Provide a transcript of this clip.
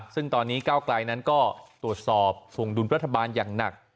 ซึ่งตอนนี้ก้าวไกลนั้นก็ตรวจสอบส่งดุลรัฐบาลอย่างหนัก